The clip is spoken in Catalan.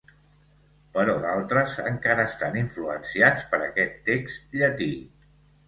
Però d'altres, encara estan influenciats per aquest text llatí.